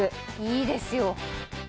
いいですよ。